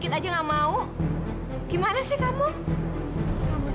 iqlhan peng bran suka berjambour